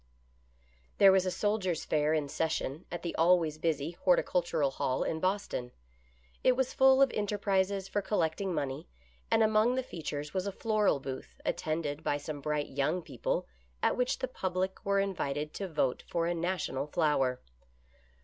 HERE was a Soldiers' Fair in session at the ^ always busy Horticultural Hall in Boston. It was full of enterprises for collecting money, and among the features was a floral booth, attended by some bright young people, at which the public were invited to vote for a National Flower.